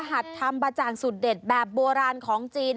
หัดทำบาจานสุดเด็ดแบบโบราณของจีน